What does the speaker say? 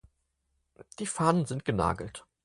Die Fahnen sind genagelt.